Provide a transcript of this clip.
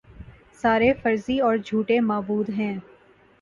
سارے فرضی اور جھوٹے معبود ہیں